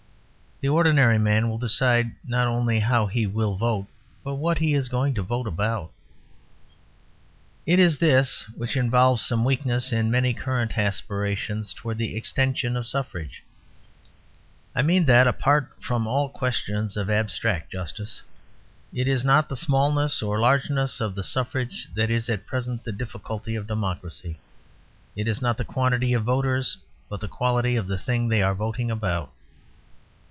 The ordinary man will decide not only how he will vote, but what he is going to vote about. It is this which involves some weakness in many current aspirations towards the extension of the suffrage; I mean that, apart from all questions of abstract justice, it is not the smallness or largeness of the suffrage that is at present the difficulty of Democracy. It is not the quantity of voters, but the quality of the thing they are voting about.